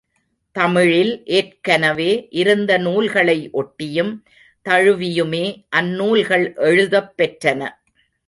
தமிழில் ஏற்கனவே இருந்த நூல்களை ஒட்டியும் தழுவியுமே அந்நூல்கள் எழுதப் பெற்றன.